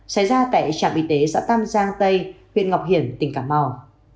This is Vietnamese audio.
xảy ra tại trạm y tế xã tam giang tây huyện ngọc hiển tỉnh cà mau